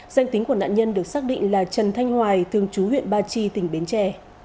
danh tính của nạn nhân được xác định là trần thanh hoài thường chú huyện ba chi tỉnh bến tre